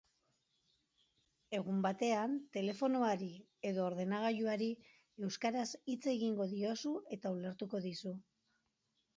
Egunen batean telefonoari edo ordenagailuari euskaraz hitz egingo diozu eta ulertuko dizu.